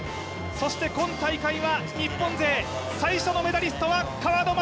そして今大会は日本勢最初のメダリストは川野将